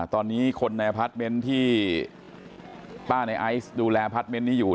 ตอนนี้คนในพัดเม้นที่บ้านในไอซ์ดูแลพัดเม้นที่อยู่